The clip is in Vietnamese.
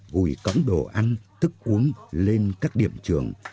gùi cõng đồ ăn thức uống lên các điểm trường